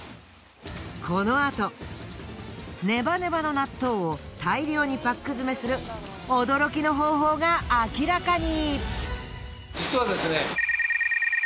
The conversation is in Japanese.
このあとネバネバの納豆を大量にパック詰めする驚きの方法が明らかに。